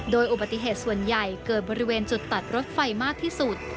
โดยอุบัติเหตุส่วนใหญ่เกิดบริเวณจุดตัดรถไฟมากที่สุด